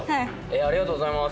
ありがとうございます。